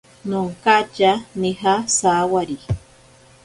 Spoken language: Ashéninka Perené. Nonkatya nija sawari.